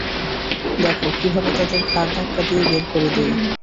দেখ কিভাবে তোদের ঘাড় ধাক্কা দিয়ে বের করে দিই।